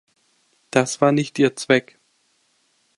Das war nicht ihr Zweck.